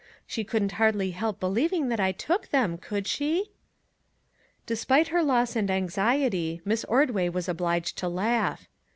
She couldn't hardly help believing that I took them; could she? " Despite her loss and anxiety, Miss Ordway was obliged to laugh.